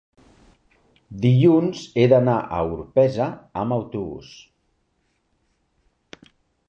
Dilluns he d'anar a Orpesa amb autobús.